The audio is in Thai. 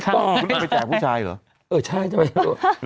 คุณเอาไปแจกผู้ชายเหรอ